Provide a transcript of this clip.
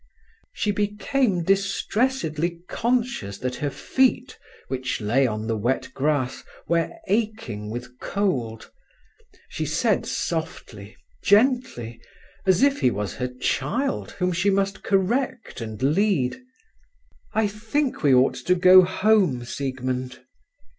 She became distressedly conscious that her feet, which lay on the wet grass, were aching with cold. She said softly, gently, as if he was her child whom she must correct and lead: "I think we ought to go home, Siegmund."